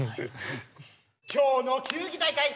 今日の球技大会。